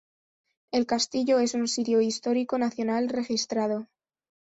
El castillo es un Sitio Histórico Nacional registrado.